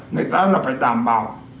người ta là phải đảm bảo